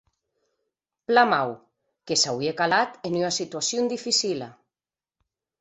Plan mau; que s’auie calat en ua situacion dificila.